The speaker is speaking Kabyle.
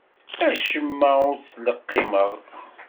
Acemma ur t-ttleqqimeɣ.